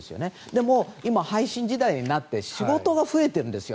でも、今、配信時代になって仕事は増えてるんですよ